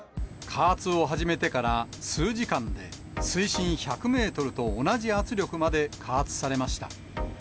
加圧を始めてから数時間で、水深１００メートルと同じ圧力まで加圧されました。